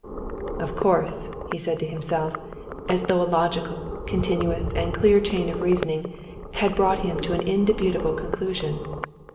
"Of course," he said to himself, as though a logical, continuous, and clear chain of reasoning had brought him to an indubitable conclusion.